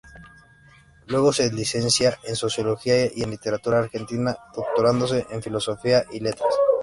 Luego se licencia en sociología y en Literatura argentina, doctorándose en Filosofía y Letras.